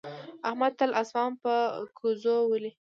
احمد تل اسمان په ګوزو ولي.